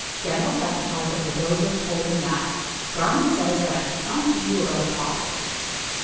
Gemmill testified that Rebozo told him that "Garment says that I should come see you about a problem."